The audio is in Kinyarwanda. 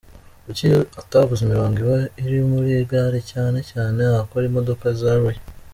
Kuki atavuze imirongo iba iri muri gare cyane cyane ahakora imodoka za Royal.